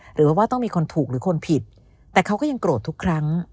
หรือว่าต้องมีคนถูกหรือคนผิดแต่เขาก็ยังโกรธทุกครั้ง